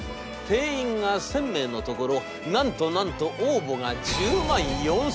定員が１，０００名のところなんとなんと応募が１０万４，０００。